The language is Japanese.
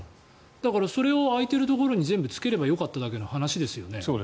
だからそれを開いているところに全部つければよかっただけの話ですよね。